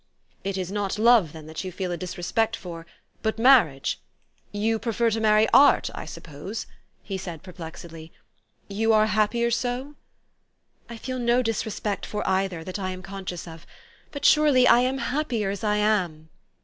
"It is not love, then, that you feel a disrespect for, but marriage? You prefer to marry Art, I 124 THE STORY OF AVIS. suppose," he said perplexedly. " You are happier so?" "I feel no disrespect for either, that I am con scious of; but surely I am happier as I am."